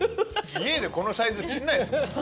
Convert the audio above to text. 家でこのサイズ切んないです。